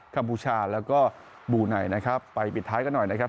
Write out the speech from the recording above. ัมพูชาแล้วก็บูไนนะครับไปปิดท้ายกันหน่อยนะครับ